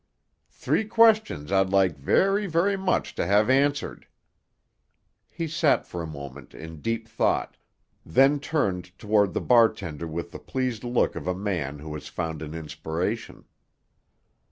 Three questions I'd like very, very much to have answered." He sat for a moment in deep thought, then turned toward the bartender with the pleased look of a man who has found an inspiration.